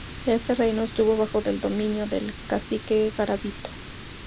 Este reino estuvo bajo el dominio del Cacique Garabito.